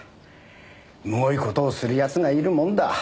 むごい事をする奴がいるもんだ。